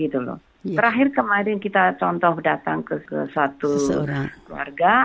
terakhir kemarin kita contoh datang ke suatu keluarga